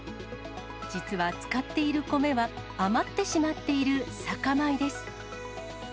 実は使っている米は、余ってしまっている酒米です。